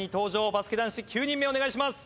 バスケ男子９人目お願いします。